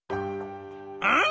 「うん？